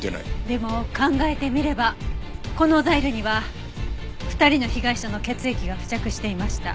でも考えてみればこのザイルには２人の被害者の血液が付着していました。